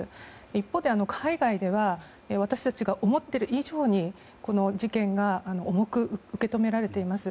一方で海外では私たちが思っている以上にこの事件が重く受け止められています。